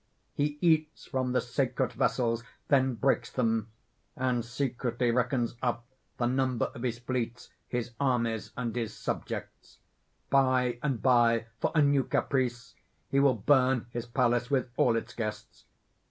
He eats from the sacred vessels then breaks them; and secretly reckons up the number of his fleets, his armies, and his subjects. By and by, for a new caprice, he will burn his palace with all its guests.